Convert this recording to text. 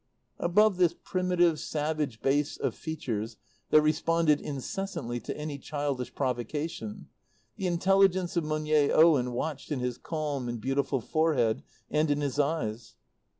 Above this primitive, savage base of features that responded incessantly to any childish provocation, the intelligence of Monier Owen watched in his calm and beautiful forehead and in his eyes.